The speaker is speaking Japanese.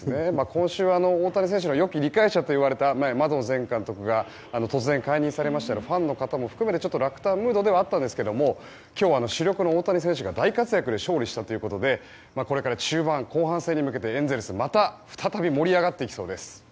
今週は大谷選手の良き理解者といわれたマドン前監督が突然解任されましたがファンの方も含め落胆ムードでしたが今日は主力の大谷選手が大活躍で勝利したということでこれから中盤戦、後半戦に向けてエンゼルス再び盛り上がっていきそうです。